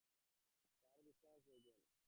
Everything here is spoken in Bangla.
তার বিশ্রামের প্রয়োজন।